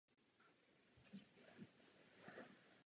Z umělců se stali dobří přátelé a dokonce pracovali v jednom ateliéru.